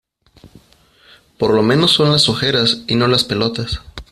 por lo menos son las ojeras y no las pelotas